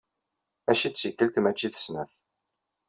Mačči d tikkelt mačči d snat.